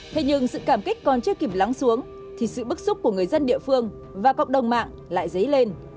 thế nhưng sự cảm kích còn chưa kịp lắng xuống thì sự bức xúc của người dân địa phương và cộng đồng mạng lại dấy lên